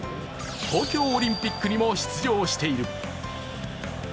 東京オリンピックにも出場している。